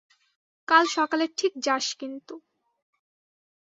কাল সকালে ঠিক যাস কিন্তু।